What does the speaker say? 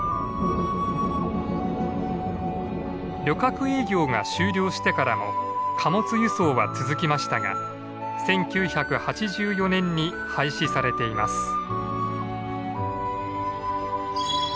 旅客営業が終了してからも貨物輸送は続きましたが１９８４年に廃止されています。